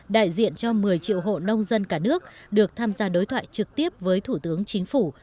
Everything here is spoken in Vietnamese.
đại diện cho một mươi triệu hộ nông dân cả nước được tham gia đối thoại trực tiếp với thủ tướng chính phủ